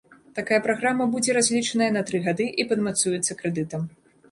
Такая праграма будзе разлічаная на тры гады і падмацуецца крэдытам.